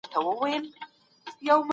ادئب هغه څوک دئ چي نوی اثر رامنځته کوي.